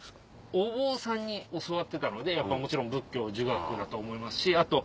お坊さんに教わってたのでやっぱもちろん仏教儒学だと思いますしあと。